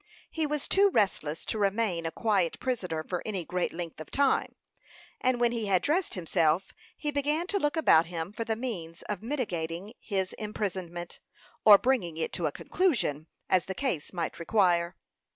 He was too restless to remain a quiet prisoner for any great length of time; and when he had dressed himself, he began to look about him for the means of mitigating his imprisonment, or bringing it to a conclusion, as the case might require.